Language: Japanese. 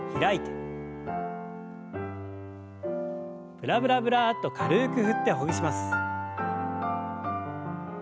ブラブラブラッと軽く振ってほぐします。